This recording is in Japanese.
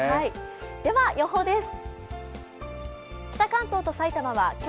では予報です。